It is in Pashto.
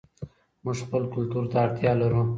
موږ خپل کلتور ته اړتیا لرو.